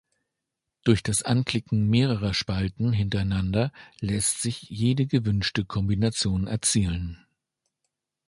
Durch das Anklicken mehrerer Spalten hintereinander lässt sich jede gewünschte Kombination erzielen.